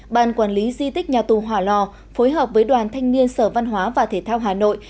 ban quản lý di tích nhà tù hòa lò phối hợp với đoàn thanh niên sở văn hóa và thể thao hà nội